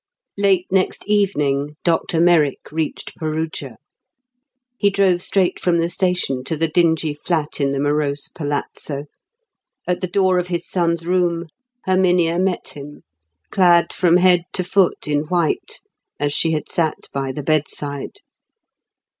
Late next evening Dr Merrick reached Perugia. He drove straight from the station to the dingy flat in the morose palazzo. At the door of his son's room, Herminia met him, clad from head to foot in white, as she had sat by the bedside.